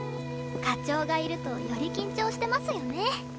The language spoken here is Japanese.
課長がいるとより緊張してますよね。